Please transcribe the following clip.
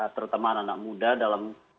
terutama anak muda dalam